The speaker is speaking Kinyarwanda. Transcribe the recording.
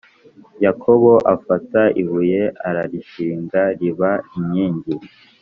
Yakobo afata ibuye ararishinga riba inkingi